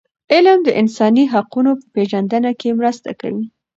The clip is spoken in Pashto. علم د انساني حقونو په پېژندنه کي مرسته کوي.